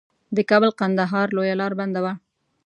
د کابل کندهار لویه لار بنده وه.